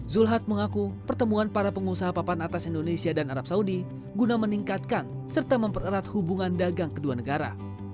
zulhad mengaku pertemuan para pengusaha papan atas indonesia dan arab saudi guna meningkatkan serta mempererat hubungan dagang kedua negara